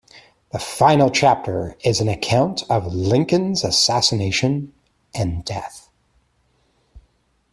The final chapter is an account of Lincoln's assassination and death.